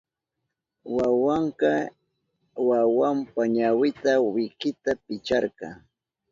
Mamanka wawanpa ñawi wikita picharka.